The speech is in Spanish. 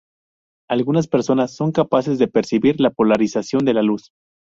Algunas personas son capaces de percibir la polarización de la luz.